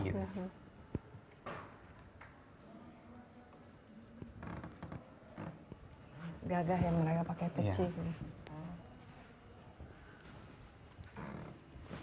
gagah yang mereka pakai kecil